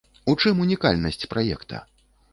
У чым унікальнасць праекта?